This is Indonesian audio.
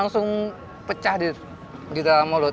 langsung pecah di dalam mulut